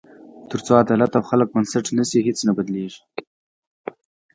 تر څو عدالت او خلک بنسټ نه شي، هیڅ نه بدلېږي.